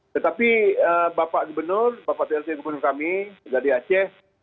tetapi bapak gubernur bapak dlt gubernur kami gadi aceh